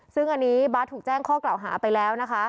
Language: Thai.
ซึ่งอันนี้บาร์ดถูกแจ้งข้อกล่าวหาไปแล้วนะคะ